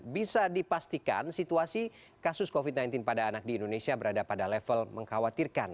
bisa dipastikan situasi kasus covid sembilan belas pada anak di indonesia berada pada level mengkhawatirkan